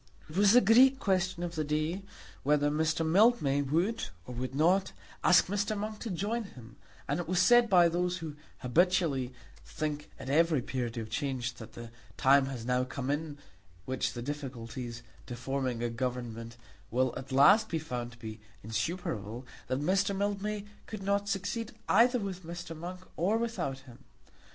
It was the great question of the day whether Mr. Mildmay would or would not ask Mr. Monk to join him; and it was said by those who habitually think at every period of change that the time has now come in which the difficulties to forming a government will at last be found to be insuperable, that Mr. Mildmay could not succeed either with Mr. Monk or without him.